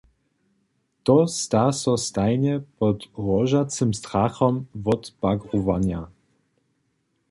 To sta so stajnje pod hrožacym strachom wotbagrowanja.